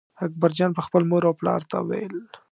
اکبرجان به خپل مور او پلار ته ویل.